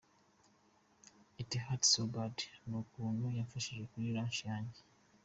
it hurts soo bad nukuntu yamfashije muri launch yanjye.